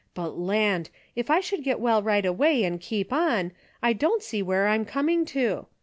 But land, if I should get well right away and keep on, I don't see where I'm coming to.